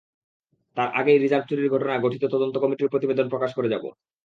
তার আগেই রিজার্ভ চুরির ঘটনায় গঠিত তদন্ত কমিটির প্রতিবেদন প্রকাশ করে যাব।